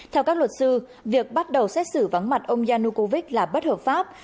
theo các luật sư việc bắt đầu xét xử vắng mặt ông yanukovych là bất hợp pháp